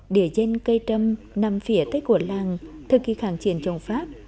địa danh cây trâm nằm phía tây của làng thời kỳ kháng triển chồng pháp